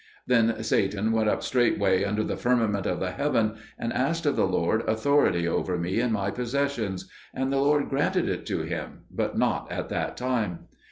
Then Satan went up straightway under the firmament of the heaven, and asked of the Lord authority over me and my possessions. And the Lord granted it to him, but not at that time.